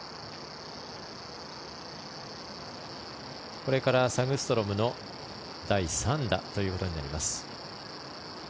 これからサグストロムの第３打ということになります。